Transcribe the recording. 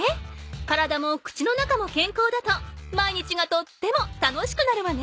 体も口の中もけんこうだと毎日がとっても楽しくなるわね。